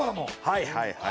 はいはいはい。